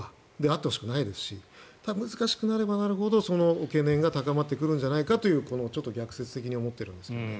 あってほしくはないですし難しくなればなるほどその懸念が高まってくるんじゃないかとこのちょっと逆説的に思ってるんですがね。